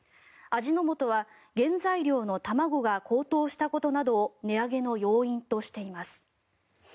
味の素は原材料の卵が高騰したことなどを値上げの要因としています。